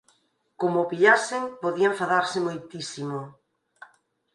Como o pillasen, podía enfadarse moitísimo.